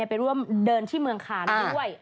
ไปร่วมเดินที่เมืองคานด้วย